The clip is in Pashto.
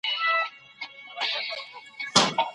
د کامل ایمان نښه ښه چلند دی.